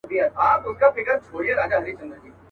د سومنات او پاني پټ او میوندونو کیسې.